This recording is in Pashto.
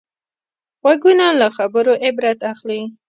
غوږونه له خبرو عبرت اخلي